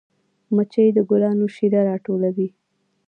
مچۍ د ګلانو شیره راټولوي